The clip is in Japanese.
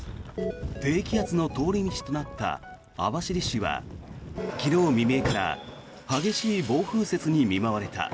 低気圧の通り道となった網走市は昨日未明から激しい暴風雪に見舞われた。